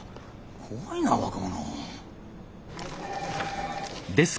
怖いな若者。